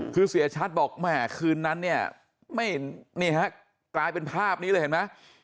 คือเสียชัดบอกแหมคืนนั้นเนี่ยนี่ฮะกลายเป็นภาพนี้เลยเห็นไหม